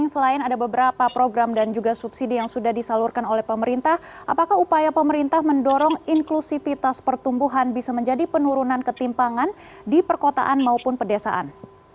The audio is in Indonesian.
selain ada beberapa program dan juga subsidi yang sudah disalurkan oleh pemerintah apakah upaya pemerintah mendorong inklusifitas pertumbuhan bisa menjadi penurunan ketimpangan di perkotaan maupun pedesaan